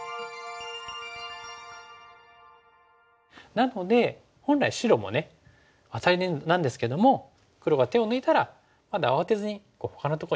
なので本来白もアタリなんですけども黒が手を抜いたらまだ慌てずにほかのとこに打つと。